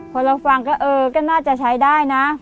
พอเราฟังก็เออก็น่าจะใช้ได้นะ